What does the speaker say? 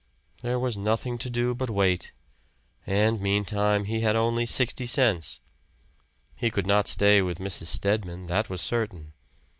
There was nothing to do but to wait; and meantime he had only sixty cents. He could not stay with Mrs. Stedman, that was certain.